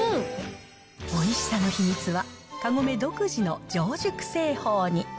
おいしさの秘密は、カゴメ独自の醸熟成法に。